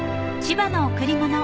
［『千葉の贈り物』］